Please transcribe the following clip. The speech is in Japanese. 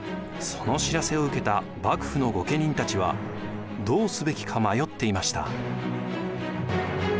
その知らせを受けた幕府の御家人たちはどうすべきか迷っていました。